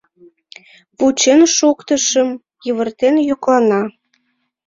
— Вучен шуктышым! — йывыртен йӱклана.